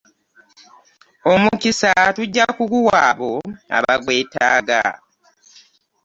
Omukisa tujja kuguwa abo abagwetaaga.